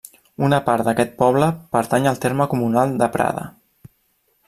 Una part d'aquest poble pertany al terme comunal de Prada.